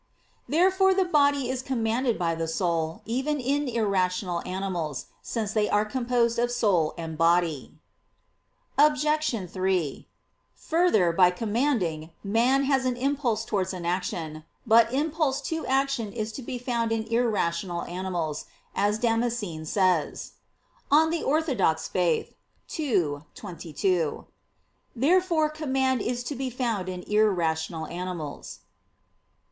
Therefore the body is commanded by the soul, even in irrational animals, since they are composed of soul and body. Obj. 3: Further, by commanding, man has an impulse towards an action. But impulse to action is to be found in irrational animals, as Damascene says (De Fide Orth. ii, 22). Therefore command is to be found in irrational animals.